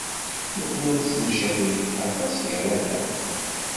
Nekkni nettemcabi aṭas gar-aneɣ.